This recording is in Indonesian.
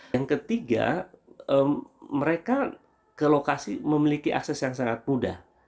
yang ketiga mereka ke lokasi memiliki akses yang sangat mudah